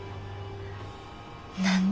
何で？